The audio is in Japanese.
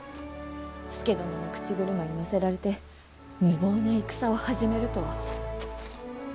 佐殿の口車に乗せられて無謀な戦を始めるとは。